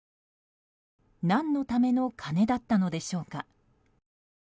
何のための金だったのでしょうか。